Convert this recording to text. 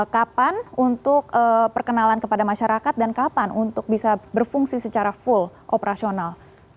kapan untuk perkenalan kepada masyarakat dan kapan untuk bisa berfungsi secara full operasional